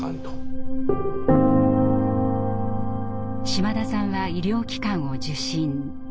島田さんは医療機関を受診。